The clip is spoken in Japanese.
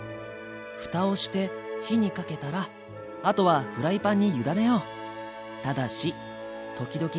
ふたをして火にかけたらあとはフライパンに委ねよう。